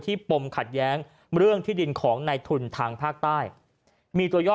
ปมขัดแย้งเรื่องที่ดินของในทุนทางภาคใต้มีตัวย่อ